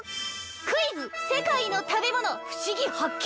クイズ世界の食べ物ふしぎ発見！